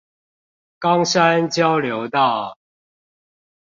岡山交流道